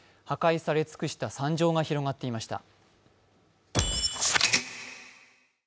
破壊され尽くした惨状が広がっていました。